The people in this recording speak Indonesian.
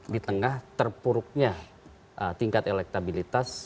di tengah terpuruknya tingkat elektabilitas